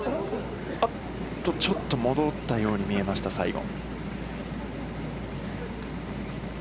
ちょっと戻ったように見えました、最後。